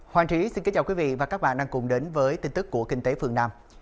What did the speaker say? hoàng trí xin kính chào quý vị và các bạn đang cùng đến với tin tức của kinh tế phương nam